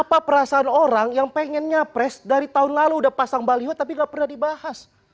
apa perasaan orang yang pengen nyapres dari tahun lalu udah pasang baliho tapi gak pernah dibahas